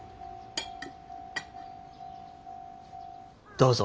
どうぞ。